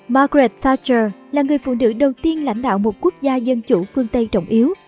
margaret fatcher là người phụ nữ đầu tiên lãnh đạo một quốc gia dân chủ phương tây trọng yếu